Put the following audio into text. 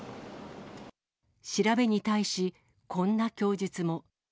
調べに対し、こんな供述も。